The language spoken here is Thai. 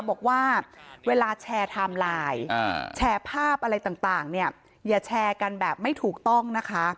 บอกว่าเวลาแชร์ไทม์ไลน์แชร์ภาพอะไรต่างเนี่ยอย่าแชร์กันแบบไม่ถูกต้องนะคะ